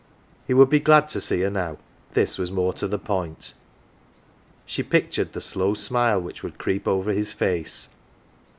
He would l)e glad to see her now this was more to the point. She pictured the slow smile which would creep over his face.